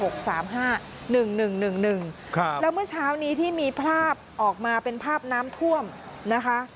๐๗๖๓๕๑๑๑๑ครับแล้วเมื่อเช้านี้ที่มีภาพออกมาเป็นภาพน้ำท่วมนะคะ